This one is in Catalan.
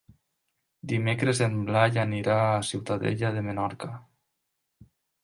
Dimecres en Blai anirà a Ciutadella de Menorca.